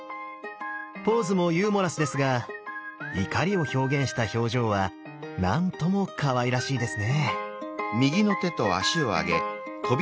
ポーズもユーモラスですが怒りを表現した表情はなんともかわいらしいですね。